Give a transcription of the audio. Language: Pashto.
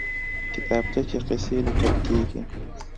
کتابچه کې قصې لیکل کېږي